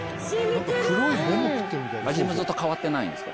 味もずっと変わってないんですか？